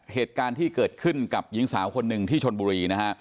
เหตุการณ์ที่เกิดขึ้นกับหญิงสาวคนหนึ่งที่ชนบุรีนะฮะ